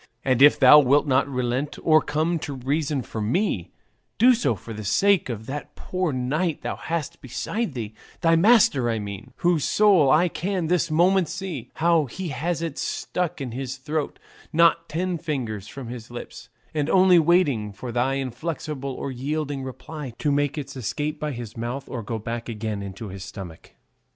And if thou wilt not relent or come to reason for me, do so for the sake of that poor knight thou hast beside thee; thy master I mean, whose soul I can this moment see, how he has it stuck in his throat not ten fingers from his lips, and only waiting for thy inflexible or yielding reply to make its escape by his mouth or go back again into his stomach."